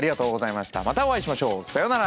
またお会いしましょう。さようなら！